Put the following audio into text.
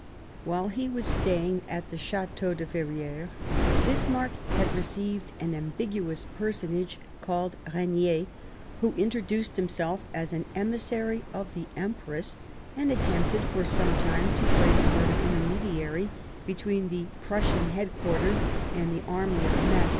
While he was staying at the Chateau de Ferrieres Bismarck had received an ambiguous personage called Regnier, who introduced himself as an emissary of the Empress and attempted for some time to play the part of intermediary between the Prussian Headquarters and the Army of Metz.